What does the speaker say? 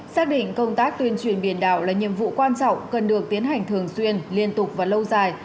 xác định công tác tuyên truyền biển đảo là nhiệm vụ quan trọng cần được tiến hành thường xuyên liên tục và lâu dài